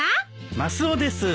マスオです。